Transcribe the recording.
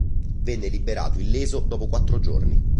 Venne liberato illeso dopo quattro giorni.